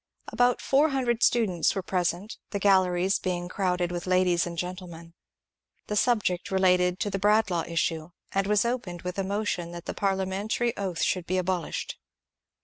About four hundred students were pre sent, the galleries being crowded with ladies and gentlemen. The subject related to the Bradlaugh issue, and was opened with a motion that the parliamentary oath should be abol ished.